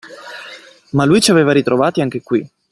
Ma lui ci aveva ritrovati anche qui.